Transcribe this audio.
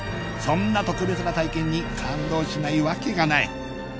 そんな特別な体験に感動しないわけがない！